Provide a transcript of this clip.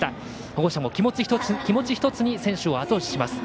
保護者も気持ちひとつに選手をあと押しします。